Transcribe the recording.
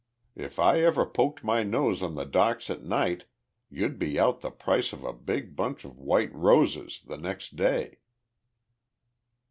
If I ever poked my nose on the docks at night you'd be out the price of a big bunch of white roses the next day!"